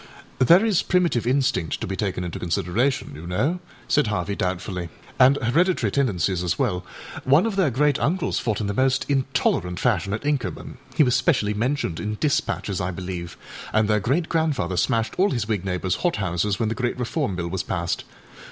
â âThere is primitive instinct to be taken into consideration, you know,â said Harvey doubtfully, âand hereditary tendencies as well. One of their great uncles fought in the most intolerant fashion at Inkermanâhe was specially mentioned in dispatches, I believeâand their great grandfather smashed all his Whig neighboursâ hot houses when the great Reform Bill was passed.